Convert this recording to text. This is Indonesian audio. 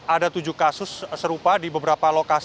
ada tujuh kasus serupa di beberapa lokasi